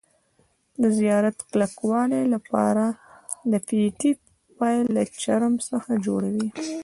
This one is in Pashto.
د زیات کلکوالي له پاره د فیتې پیل له چرم څخه جوړوي.